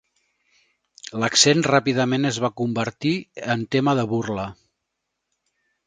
L'accent ràpidament es va convertir en tema de burla.